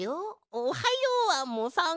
おはようアンモさん。